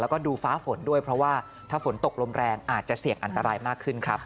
แล้วก็ดูฟ้าฝนด้วยเพราะว่าถ้าฝนตกลมแรงอาจจะเสี่ยงอันตรายมากขึ้นครับ